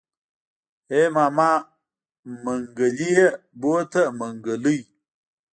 ای ماما منګلی يې بوته منګلی.